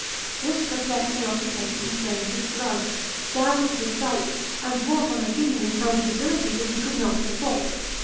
This perplexing occupation inflamed his blood, dazzled his sight, and brought on a giddiness and debility that he could not support.